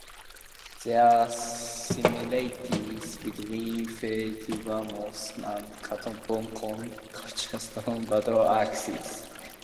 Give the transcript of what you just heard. There are similarities between Fatyanovo and Catacomb culture stone battle-axes.